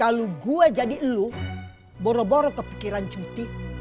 kalau gue jadi lu boro boro kepikiran cuti